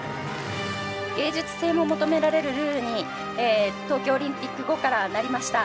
芸術性も求められるルールに東京オリンピック後からなりました。